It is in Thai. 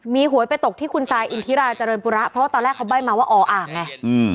มีหวยไปตกที่คุณซายอินทิราเจริญปุระเพราะว่าตอนแรกเขาใบ้มาว่าออ่างไง